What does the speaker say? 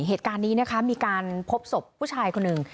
เหตุการณ์นี้นะคะมีการพบศพผู้ชายคนหนึ่ง